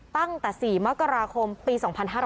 ตั้งแต่๔มกราคมปี๒๕๕๙